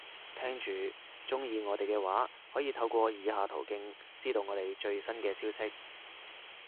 聽住，鍾意我哋嘅話，可以透過以下途徑，知道我哋最新嘅消息